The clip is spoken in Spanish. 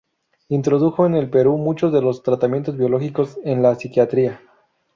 Introdujo en el Perú muchos de los tratamientos biológicos en la psiquiatría.